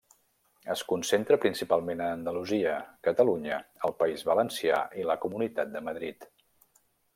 Es concentra principalment a Andalusia, Catalunya, el País Valencià i la Comunitat de Madrid.